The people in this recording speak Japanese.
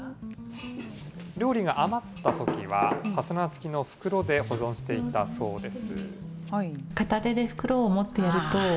料理が余ったときは、ファスナー付きの袋で保存していたそうです。